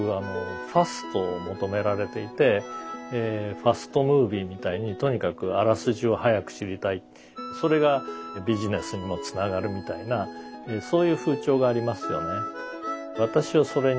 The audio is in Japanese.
ファストムービーみたいにとにかくあらすじを早く知りたいそれがビジネスにもつながるみたいなそういう風潮がありますよね。